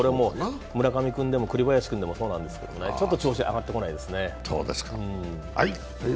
村上君でも栗林君でもそうですが、ちょっと調子、上がってこないですね。